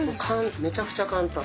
めちゃくちゃ簡単。